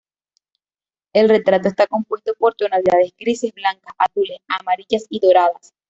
El retrato está compuesto por tonalidades grises, blancas, azules, amarillas y doradas.